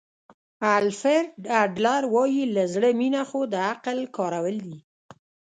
الفرډ اډلر وایي له زړه مینه خو د عقل کارول دي.